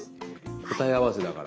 答え合わせだがら。